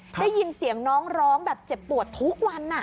ได้ยินเสียงน้องร้องแบบเจ็บปวดทุกวัน